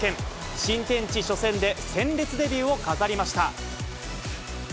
新天地初戦で鮮烈デビューを飾りました。